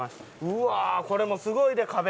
うわこれもすごいで壁から。